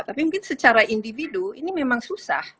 tapi mungkin secara individu ini memang susah